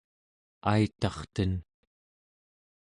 aitarten